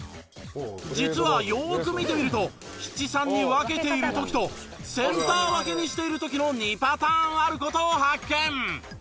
実はよーく見てみると七三に分けている時とセンター分けにしている時の２パターンある事を発見。